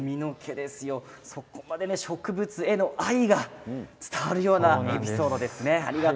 そこまで植物への愛が伝わるエピソードですね。